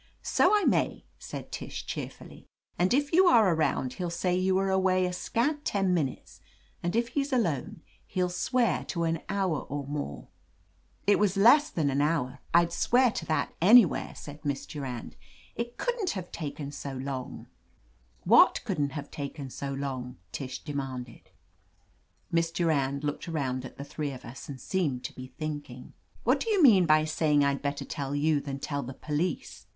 So I may," said Tish cheerfully. "And if you are around he'll say you were away a scant ten minutes and if he's alone, he'll swear to an hour or more." "It was less than an hour, I'd swear to that 151 <r *<i THE AMAZING ADVENTURES anywhere," said Miss Durand. "It couldn't have taken so long!" "What couldn't have taken so long?" Tish demanded. Miss Durand looked around at the three of us and seemed to be thinking. "What do you mean by saying Fd better tell you than tell the police?"